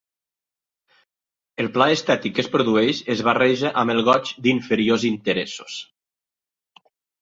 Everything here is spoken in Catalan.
El plaer estètic que produeix es barreja amb el goig d'inferiors interessos.